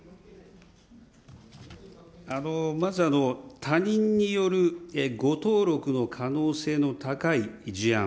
まず、他人による誤登録の可能性の高い事案。